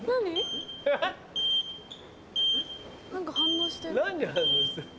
何か反応してる。